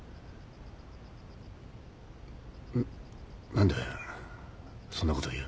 ん何でそんなこと言う。